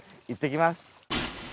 いってきます。